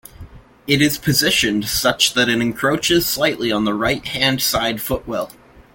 It is positioned such that it encroaches slightly on the right-hand-side footwell.